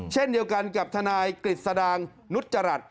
เช่นเดียวกันกับทนายกฤษดางนุจจรัส